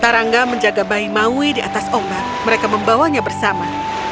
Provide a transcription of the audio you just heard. tarangga menjaga bayi maui di atas ombak mereka membawanya bersama